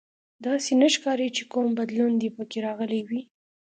داسې نه ښکاري چې کوم بدلون دې پکې راغلی وي